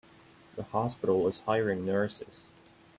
The hospital is hiring nurses.